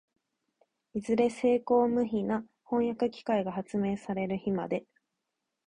いずれ精巧無比な飜訳機械が発明される日まで、